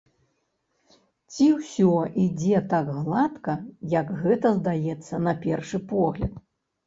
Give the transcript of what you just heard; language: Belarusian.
Ці ўсё ідзе так гладка, як гэта здаецца на першы погляд?